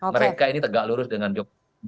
mereka ini tegak lurus dengan jokowi